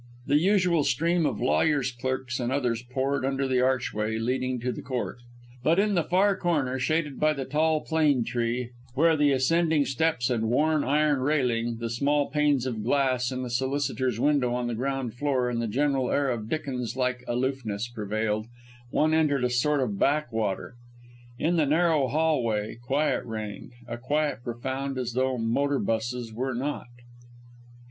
The usual stream of lawyers' clerks and others poured under the archway leading to the court; but in the far corner shaded by the tall plane tree, where the ascending steps and worn iron railing, the small panes of glass in the solicitor's window on the ground floor and the general air of Dickens like aloofness prevailed, one entered a sort of backwater. In the narrow hall way, quiet reigned a quiet profound as though motor 'buses were not.